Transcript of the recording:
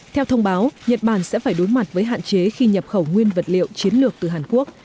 theo thông báo nhật bản sẽ phải đối mặt với hạn chế khi nhập khẩu nguyên vật liệu chiến lược từ hàn quốc